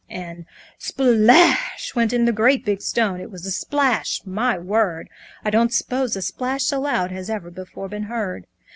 And SPLASH! went in the great big stone, It was a splash! my word! I don't suppose a splash so loud Has ever before been heard.